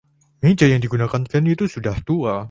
Meja yang digunakan Ken itu sudah tua.